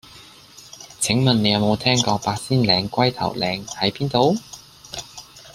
請問你有無聽過八仙嶺龜頭嶺喺邊度